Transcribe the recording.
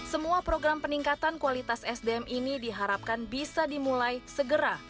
semua program peningkatan kualitas sdm ini diharapkan bisa dimulai segera